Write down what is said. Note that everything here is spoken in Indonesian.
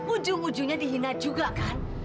ujung ujungnya dihina juga kan